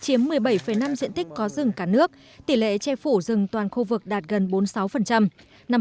chiếm một mươi bảy năm diện tích có rừng cả nước tỷ lệ che phủ rừng toàn khu vực đạt gần bốn mươi sáu